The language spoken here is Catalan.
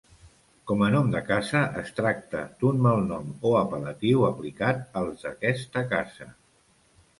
Com a nom de casa es tracta d'un malnom o apel·latiu aplicat als d'aquesta casa.